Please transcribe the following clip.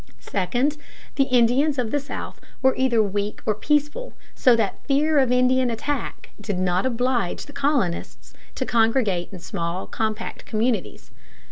Second, the Indians of the South were either weak or peaceful, so that fear of Indian attack did not oblige the colonists to congregate in small, compact communities.